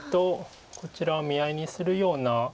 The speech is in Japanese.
こちらを見合いにするような。